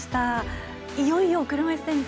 いよいよ車いすテニス